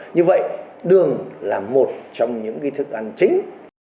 như vậy đường là một trong những thức ăn chính